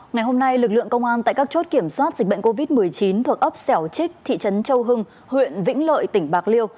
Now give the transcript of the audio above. ngày hôm nay lực lượng công an tại các chốt kiểm soát dịch bệnh covid một mươi chín thuộc ấp xẻo trích thị trấn châu hưng huyện vĩnh lợi tỉnh bạc liêu